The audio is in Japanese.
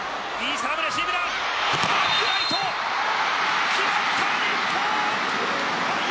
バックライト、決まった日本。